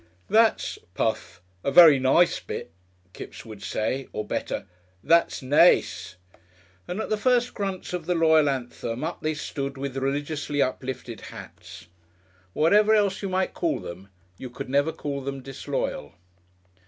"That's puff a very nice bit," Kipps would say, or better, "That's nace." And at the first grunts of the loyal anthem up they stood with religiously uplifted hats. Whatever else you might call them, you could never call them disloyal.